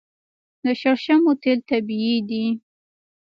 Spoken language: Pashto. د شړشمو تیل طبیعي دي.